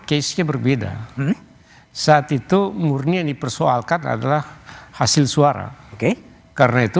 case nya berbeda saat itu murni yang dipersoalkan adalah hasil suara karena itu